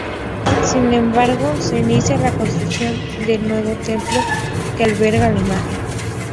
Sin embargo, se inicia la construcción del nuevo templo que alberga la imagen.